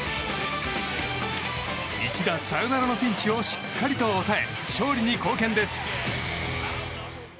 一打サヨナラのピンチをしっかりと抑え勝利に貢献です。